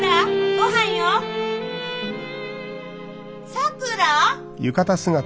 ・さくら！